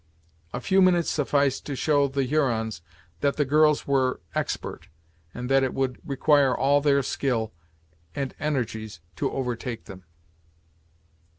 A few minutes sufficed to show the Hurons that the girls were expert, and that it would require all their skill and energies to overtake them.